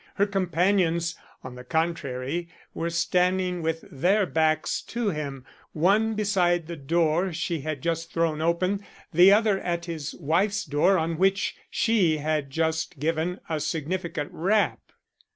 Her companions, on the contrary, were standing with their backs to him, one beside the door she had just thrown open, the other at his wife's door on which she had just given a significant rap.